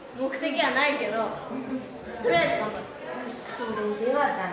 それでは駄目。